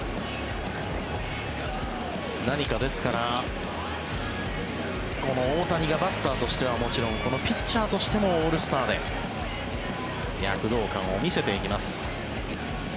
何か、この大谷がバッターとしてはもちろんピッチャーとしてもオールスターで躍動感を見せていきます。